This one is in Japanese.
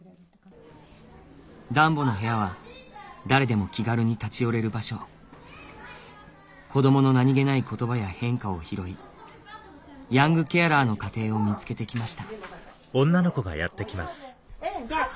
だんぼの部屋は誰でも気軽に立ち寄れる場所子どもの何げない言葉や変化を拾いヤングケアラーの家庭を見つけて来ましたじゃあちょっと見る？